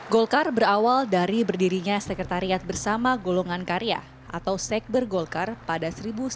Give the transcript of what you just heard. golkar berawal dari berdirinya sekretariat bersama golongan karya atau sekber golkar pada seribu sembilan ratus sembilan puluh